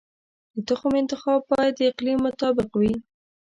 د تخم انتخاب باید د اقلیم مطابق وي.